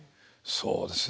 そうですね